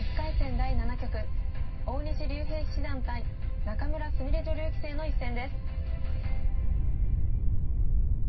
第７局大西竜平七段対仲邑菫女流棋聖の一戦です。